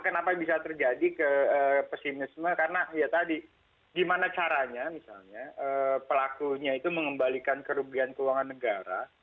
karena itu juga terjadi ke pesimisme karena ya tadi gimana caranya misalnya pelakunya itu mengembalikan kerugian keuangan negara